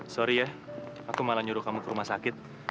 sorry ya aku malah nyuruh kamu ke rumah sakit